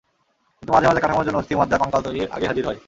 কিন্তু মাঝে মাঝে কাঠামোর জন্য অস্থি, মজ্জা, কঙ্কাল তৈরির আগেই হাজির হয়।